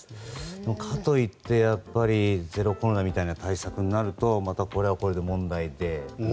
かといって、ゼロコロナみたいな対策になるとこれはこれで問題で。